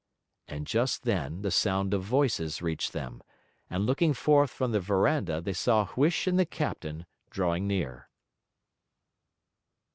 And just then the sound of voices reached them, and looking forth from the verandah they saw Huish and the captain drawing near.